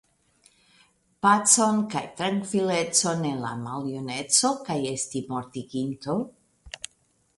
Pacon kaj trankvilecon en la maljuneco kaj esti mortiginto?